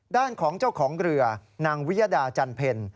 ด้านของเจ้าของเรือนางวิยดาจันเพ็ญ